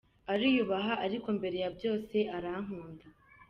Ariyubaha ariko mbere ya byose arankunda.